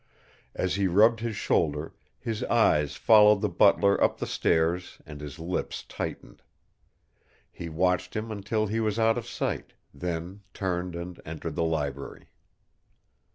As he rubbed his shoulder his eyes followed the butler up the stairs and his lips tightened. He watched him until he was out of sight, then turned and entered the library.